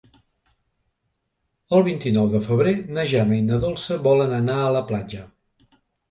El vint-i-nou de febrer na Jana i na Dolça volen anar a la platja.